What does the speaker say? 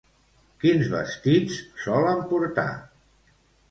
Quins vestits solen portar?